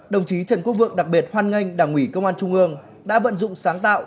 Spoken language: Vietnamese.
đồng chí trần quốc vượng đặc biệt hoan nghênh đảng ủy công an trung ương đã vận dụng sáng tạo